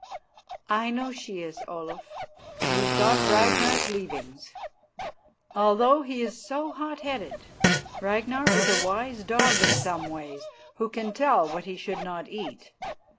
"I know she is, Olaf. You've got Ragnar's leavings. Although he is so hot headed, Ragnar is a wise dog in some ways, who can tell what he should not eat.